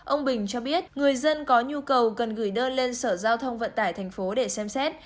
ông bình cho biết người dân có nhu cầu cần gửi đơn lên sở giao thông vận tải thành phố để xem xét